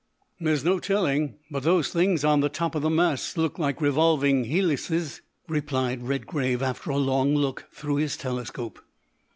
"There's no telling, but those things on the top of the masts look like revolving helices," replied Redgrave, after a long look through his telescope.